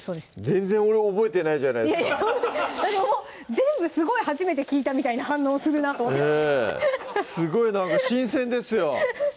全然俺覚えてないじゃないですか全部すごい初めて聞いたみたいな反応するなと思ってすごいなんか新鮮ですよ